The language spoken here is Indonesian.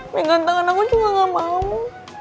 pegang tangan aku juga gak mau